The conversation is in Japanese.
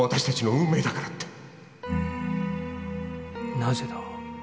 なぜだ？